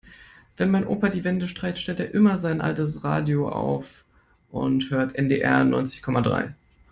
Wenn mein Opa die Wände streicht, stellt er immer sein altes Radio auf und hört NDR neunzig Komma drei.